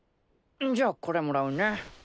じゃあこれもらうね。